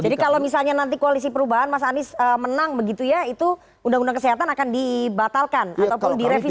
jadi kalau misalnya nanti koalisi perubahan mas anies menang begitu ya itu undang undang kesehatan akan dibatalkan ataupun direvisi